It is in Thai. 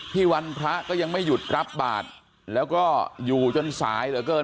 วันพระก็ยังไม่หยุดรับบาทแล้วก็อยู่จนสายเหลือเกิน